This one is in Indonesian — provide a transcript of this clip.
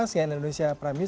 sian indonesia prime news